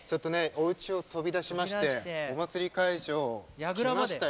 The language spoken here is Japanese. おうちを飛び出しましてお祭り会場来ましたよ。